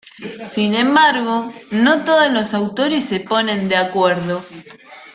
Sin embargo, no todos los autores se ponen de acuerdo.